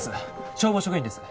消防職員です